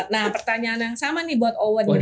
nah pertanyaan yang sama nih buat owen